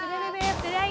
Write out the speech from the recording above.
oke yuk dadah